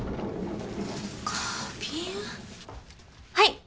はい。